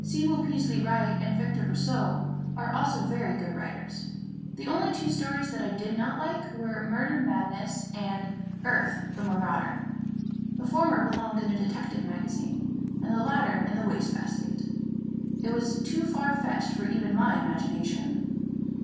Sewell Peaslee Wright and Victor Rousseau are also very good writers. The only two stories that I did not like were "Murder Madness" and "Earth, the Marauder." The former belonged in a detective magazine, and the latter in the waste basket. It was too far fetched for even my imagination.